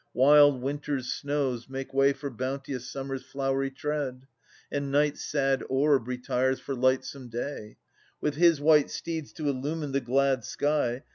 Wild Winter's snows Make way for bounteous Summer's flowery tread, And Night's sad orb retires for lightsome Day With his white steeds to illumine the glad sky.